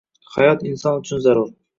Hayot inson uchun zarur